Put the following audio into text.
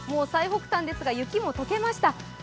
最北端ですが雪も溶けました。